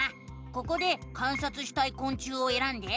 ここで観察したいこん虫をえらんで。